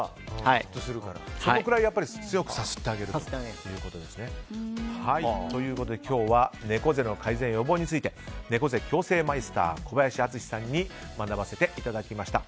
そのくらい強くさすってあげるということですね。ということで今日は猫背の改善・予防について猫背矯正マイスター小林篤史さんに学ばせていただきました。